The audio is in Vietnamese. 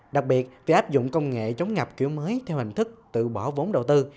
đặc biệt việc áp dụng công nghệ chống ngập kiểu mới theo hình thức tự bỏ vốn đầu tư